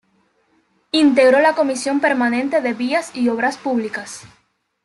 Integró la comisión permanente de Vías y Obras Públicas.